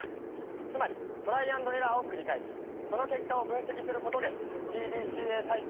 つまりトライアンドエラーを繰り返しその結果を分析することでＰＤＣＡサイクルを実践していました。